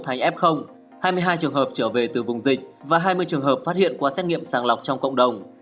thành f hai mươi hai trường hợp trở về từ vùng dịch và hai mươi trường hợp phát hiện qua xét nghiệm sàng lọc trong cộng đồng